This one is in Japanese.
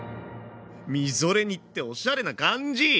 みぞれ煮っておしゃれな感じ！